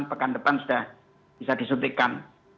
pekan depan sudah bisa disuntikkan